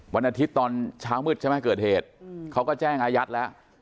วันอาทิตย์ตอนเช้ามืดใช่ไหมเกิดเหตุเขาก็แจ้งอายัดแล้ว